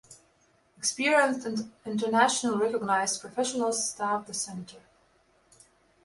Experienced and internationally recognized professionals staff the Centre.